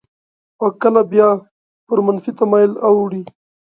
او کله بیا پر منفي تمایل اوړي.